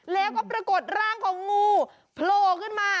แล้วก็ปรากฏร่างของงูโผล่ขึ้นมา